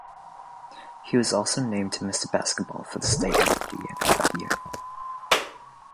He was also named Mr. Basketball for the state of Indiana that year.